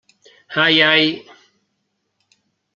Ai, ai!